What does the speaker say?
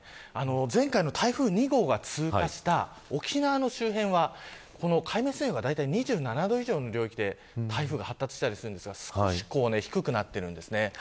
前回の台風２号が通過した沖縄の周辺は海面水温がだいたい２７度以上の領域で台風が発達したりしますが少し低くなっているんです。